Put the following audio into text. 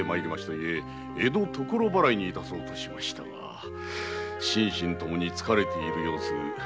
ゆえ江戸・所払いに致そうとしましたが心身ともに疲れている様子。